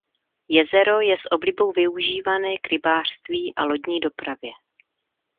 Jezero je s oblibou využívané k rybářství a lodní dopravě.